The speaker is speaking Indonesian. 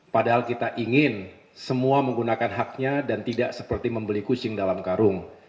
padahal kita ingin semua menggunakan haknya dan tidak seperti membeli kucing dalam karung